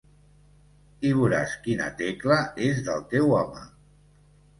I voràs quina tecla és del teu home.